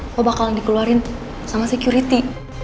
kok bakalan dikeluarin sama security